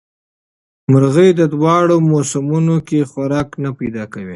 مرغۍ د واورې په موسم کې خوراک نه پیدا کوي.